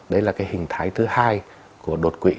đấy là cái hình thái thứ hai của đột quỵ